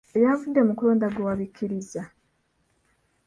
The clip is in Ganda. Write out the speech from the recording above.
Ebyavudde mu kulonda ggwe wabikkirizza?